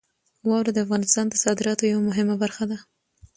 واوره د افغانستان د صادراتو یوه مهمه برخه ده.